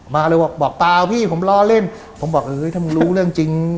มาเลยบอกบอกเปล่าพี่ผมล้อเล่นผมบอกเอ้ยถ้ามึงรู้เรื่องจริง